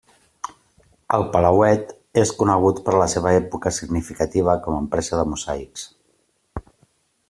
El palauet és conegut per la seva època significativa com a empresa de mosaics.